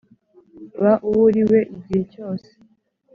ba uwo uri we igihe cyose,